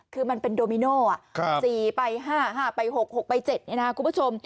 คือมันเป็นโดมิโน่๔ไป๕๕ไป๖๖ไป๗เนี่ยนะคุณผู้ชม